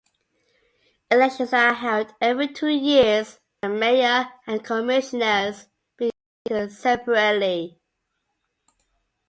Elections are held every two years with the Mayor and Commissioners being elected separately.